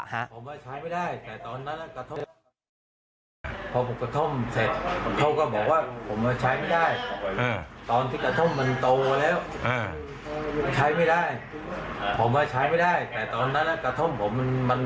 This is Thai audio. หลังนั้นเขาก็ไม่เอาผม